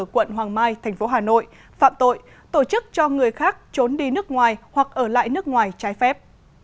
quận hoàng mai thành phố hà nội phạm tội tổ chức cho người khác trốn đi nước ngoài hoặc ở lại nước ngoài trái phép